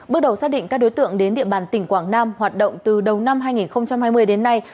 bước đầu xác định các đối tượng đến địa bàn tỉnh quảng nam hoạt động từ đầu năm hai nghìn hai mươi đến nay